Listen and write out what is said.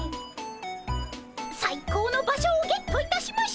最高の場所をゲットいたしました！